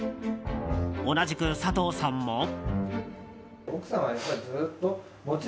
同じく、佐藤さんも。